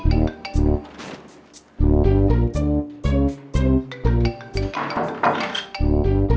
หนูนิด